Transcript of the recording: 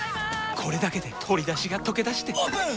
これだけで鶏だしがとけだしてオープン！